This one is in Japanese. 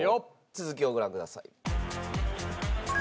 続きをご覧ください。